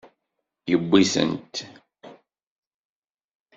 Yewwi-tent.